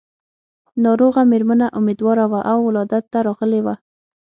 ناروغه مېرمنه اميدواره وه او ولادت ته راغلې وه.